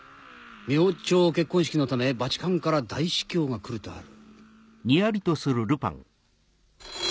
明朝結婚式のためバチカンから大司教が来るとある。